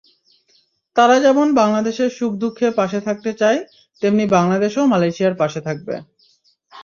তারা যেমন বাংলাদেশের সুখ-দুঃখে পাশে থাকতে চায়, তেমনি বাংলাদেশও মালয়েশিয়ার পাশে থাকবে।